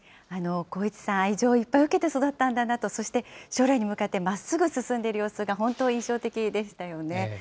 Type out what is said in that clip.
航一さん、愛情をいっぱい受けて育ったんだなと、そして将来に向かって真っすぐ進んでいる様子が印象的でしたよね。